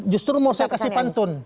justru mau saya kasih pantun